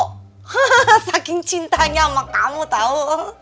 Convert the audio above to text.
hahaha saking cintanya sama kamu tau